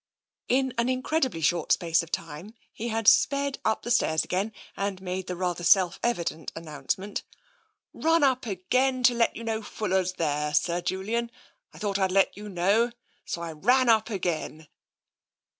' In an incredibly short space of time he had sped up the stairs again and made the rather self evident an nouncement :" Run up again to let you know Fuller's there. Sir Julian. I thought I'd let you know, so I ran up again."